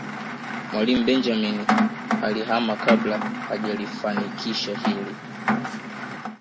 mwalimu benjamini alihama kabla hajalifanikisha hili